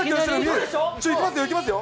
いきますよ、いきますよ。